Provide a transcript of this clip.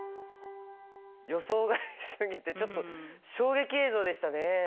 予想外すぎてちょっと衝撃映像でしたね。